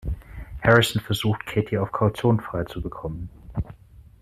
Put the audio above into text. Harrison versucht, Katie auf Kaution freizubekommen.